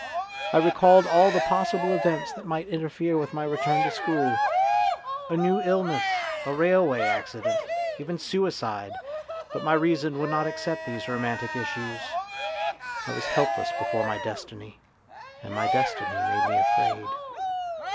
I recalled all the possible events that might interfere with my return to school, a new illness, a railway acci dent, even suicide, but my reason would not accept these romantic issues. I was helpless A DRAMA OF YOUTH 41 before my destiny, and my destiny made me afraid.